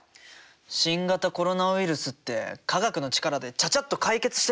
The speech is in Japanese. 新型コロナウイルスって科学の力でちゃちゃっと解決してくれないかな？